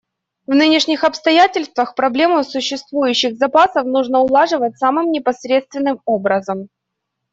В нынешних обстоятельствах проблему существующих запасов нужно улаживать самым непосредственным образом.